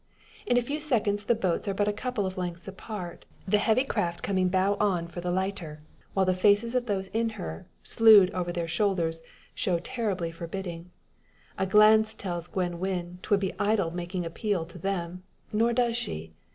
In a few seconds the boats are but a couple of lengths apart, the heavy craft coming bow on for the lighter; while the faces of those in her, slewed over their shoulders, show terribly forbidding. A glance tells Gwen Wynn 'twould be idle making appeal to them; nor does she.